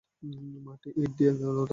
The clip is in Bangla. মাটি ইট দিয়ে এর দেওয়াল তৈরী হয়েছে।